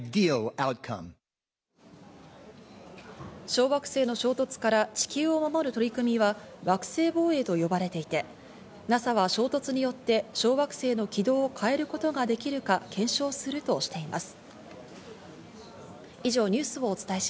小惑星の衝突から地球を守る取り組みは惑星防衛と呼ばれていて、ＮＡＳＡは衝突によって小惑星の軌道を変えることができるか検証するとしています。